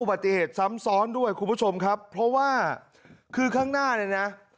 ปฏิเหตุซ้ำซ้อนด้วยคุณผู้ชมครับเพราะว่าคือข้างหน้าเนี่ยนะ